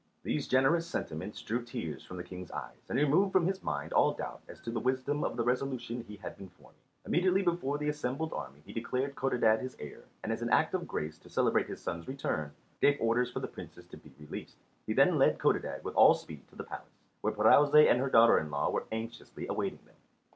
These generous sentiments drew tears from the King's eyes and removed from his mind all doubt as to the wisdom of the resolution he had been forming. Immediately before the assembled army he declared Codadad his heir, and, as an act of grace to celebrate his son's return, gave orders for the Princes to be released. He then led Codadad with all speed to the palace, where Pirouzè and her daughter in law were anxiously awaiting them.